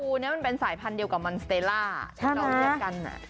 มันเป็นสายพันธุ์เดียวกับมันสเตรล่าที่เราเรียกกัน